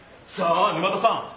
さあ沼田さん！